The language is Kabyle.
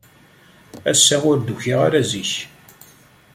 Ass-a, ur d-ukiɣ ara zik.